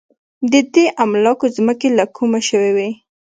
د دې املاکو ځمکې له کومه شوې وې.